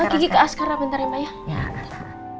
mbak gigi ke askarah bentar ya mbak